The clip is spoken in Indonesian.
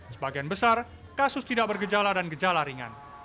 sebagian besar kasus tidak bergejala dan gejala ringan